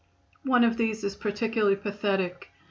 One of these is particularly pathetic.